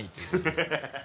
ハハハ